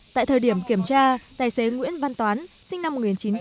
tại thời điểm kiểm tra tài xế nguyễn văn toán sinh năm một nghìn chín trăm tám mươi